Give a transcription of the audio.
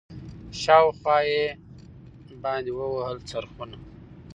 شاوخوا یې باندي ووهل څرخونه